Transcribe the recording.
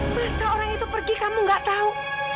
masa orang itu pergi kamu gak tahu